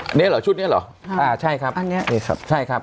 อันนี้เหรอชุดเนี้ยเหรออ่าใช่ครับอันเนี้ยใช่ครับใช่ครับ